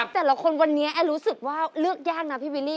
แต่ละคนวันนี้แอนรู้สึกว่าเลือกยากนะพี่วิลลี่